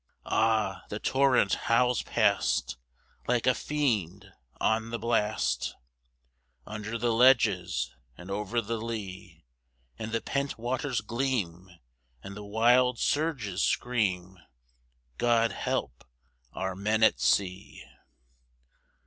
Ah! the torrent howls past, like a fiend on the blast, Under the ledges and over the lea; And the pent waters gleam, and the wild surges scream God help our men at sea!